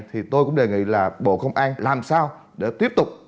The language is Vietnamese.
thì tôi cũng đề nghị là bộ công an làm sao để tiếp tục